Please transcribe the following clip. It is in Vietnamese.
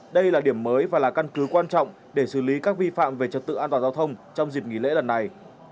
đây là điểm mới và là căn cứ quan trọng để xử lý các vi phạm về trật tự an toàn giao thông trong dịp nghỉ lễ lần này